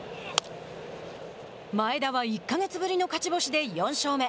前田は１か月ぶりの勝ち星で４勝目。